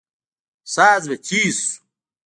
ساز به تېز سو.